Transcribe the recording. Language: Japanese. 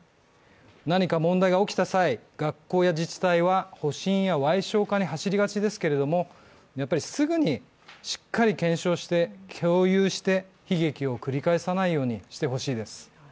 何か問題が起きた際、学校や自治体は保身や矮小化に走りがちですけれども、やっぱり、すぐにしっかり検証して共有して、悲劇を繰り返さないようにしてほしいです。